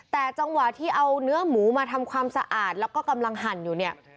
แต่จังหวะที่เอาเนื้อหมูมาทำความสะอาดแล้วก็กำลังหั่นอยู่เนี่ย